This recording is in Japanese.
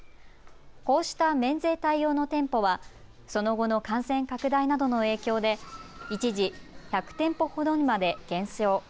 こうした免税対応の店舗はその後の感染拡大などの影響で一時１００店舗ほどにまで減少。